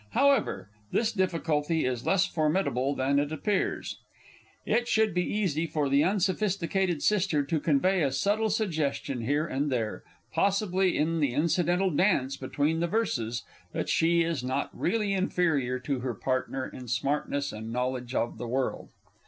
However, this difficulty is less formidable than it appears; it should be easy for the Unsophisticated Sister to convey a subtle suggestion here and there, possibly in the incidental dance between the verses, that she is not really inferior to her partner in smartness and knowledge of the world.